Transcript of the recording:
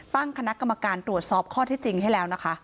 ตั้งคณะกรรมการตรวจสอบข้อที่จริงให้แล้วนะคะ